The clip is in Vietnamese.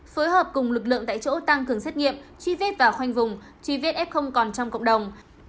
phối hợp cùng lực lượng tại chỗ tăng cường xét nghiệm truy vết và khoanh vùng truy vết f còn trong cộng đồng